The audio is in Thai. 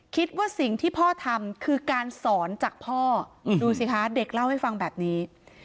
คิดว่าสิ่งที่พ่อทำคือการสอนจากพ่อดูสิคะเด็กเล่าให้ฟังแบบนี้